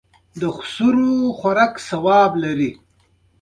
ښایست د مهربان احساس خوند لري